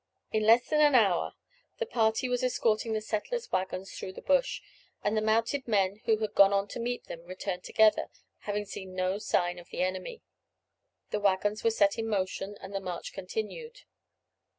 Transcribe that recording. In less than an hour the party that was escorting the settlers' waggons through the bush, and the mounted men who had gone to meet them, returned together, having seen no sign of the enemy. The waggons were set in motion, and the march continued.